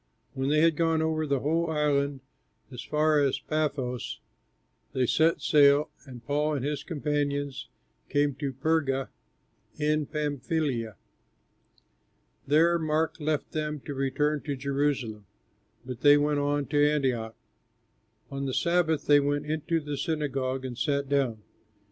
When they had gone over the whole island as far as Paphos, they set sail, and Paul and his companions came to Perga in Pamphylia. There Mark left them to return to Jerusalem, but they went on to Antioch. On the Sabbath they went into the synagogue and sat down.